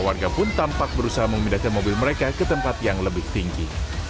warga pun tampak berusaha memindahkan mobil mereka ke tempat yang lebih tinggi